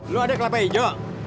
lu ada kelapa hijau